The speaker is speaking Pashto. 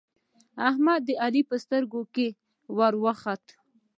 احمد د علی په سترګو کې ور وخوت